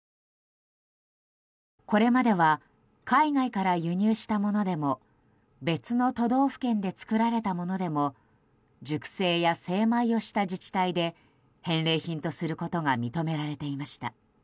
これまでは海外から輸入したものでも別の都道府県で作られたものでも熟成や精米をした自治体で返礼品とすることが認められていました。